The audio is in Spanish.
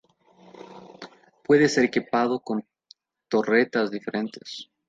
Puede ser equipado con torretas diferentes.